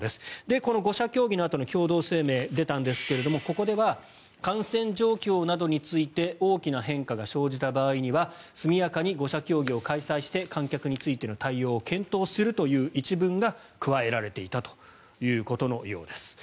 この５者協議のあと共同声明が出たんですがここでは感染状況などについて大きな変化が生じた場合には速やかに５者協議を開催して観客についての対応を検討するという一文が加えられていたということのようです。